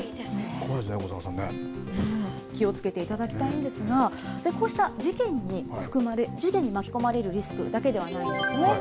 怖いですね、気をつけていただきたいんですが、こうした事件に巻き込まれるリスクだけではないんですね。